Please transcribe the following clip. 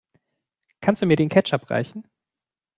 Kannst du mir den Ketchup reichen?